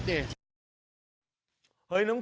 คือจะใช้คำว่าไม่เกี่ยวก็ได้